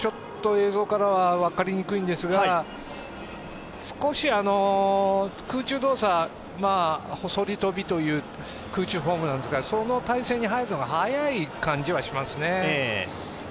映像からは分かりにくいんですが少し空中動作、そり跳びという空中フォームですがその体勢に入るのが早い気がしますね。